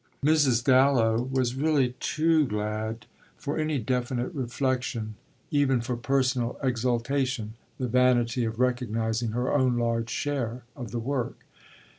Mrs. Dallow was really too glad for any definite reflexion, even for personal exultation, the vanity of recognising her own large share of the work.